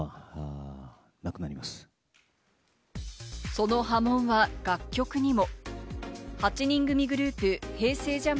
その波紋は楽曲にも。